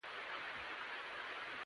هوښیار خلک د نورو بدیو ته ځواب نه ورکوي.